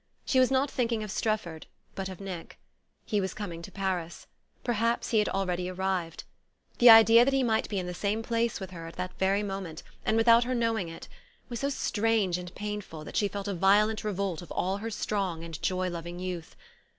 She was not thinking of Strefford but of Nick. He was coming to Paris perhaps he had already arrived. The idea that he might be in the same place with her at that very moment, and without her knowing it, was so strange and painful that she felt a violent revolt of all her strong and joy loving youth.